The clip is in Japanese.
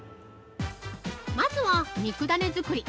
まずは、肉だね作り。